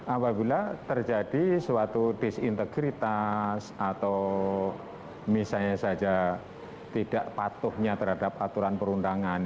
apabila terjadi suatu disintegritas atau misalnya saja tidak patuhnya terhadap aturan perundangan